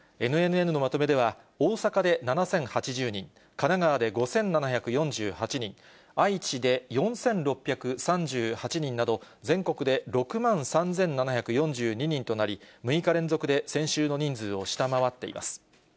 ＮＮＮのまとめでは、大阪で７０８０人、神奈川で５７４８人、愛知で４６３８人など、全国で６万３７４２人となり、６日連続で先週の人数を下回っています。